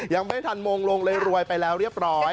ยังไม่ทันมงลงเลยรวยไปแล้วเรียบร้อย